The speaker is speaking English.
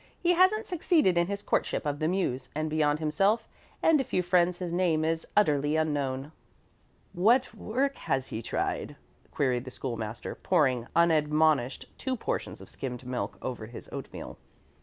"He hasn't succeeded in his courtship of the Muse, and beyond himself and a few friends his name is utterly unknown." "What work has he tried?" queried the School master, pouring unadmonished two portions of skimmed milk over his oatmeal.